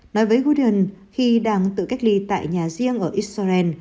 nói với goodlen khi đang tự cách ly tại nhà riêng ở israel